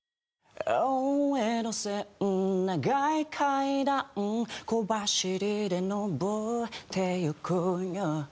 「大江戸線長い階段」「小走りで登っていくよ」